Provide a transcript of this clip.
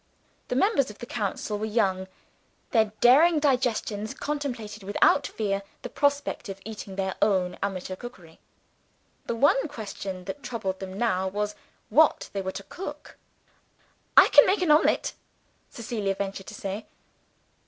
The members of the council were young; their daring digestions contemplated without fear the prospect of eating their own amateur cookery. The one question that troubled them now was what they were to cook. "I can make an omelet," Cecilia ventured to say.